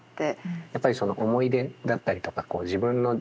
やっぱりその思い出だったりとかこう自分の人生